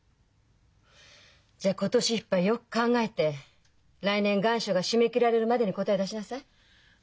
じゃあ今年いっぱいよく考えて来年願書が締め切られるまでに答え出しなさい。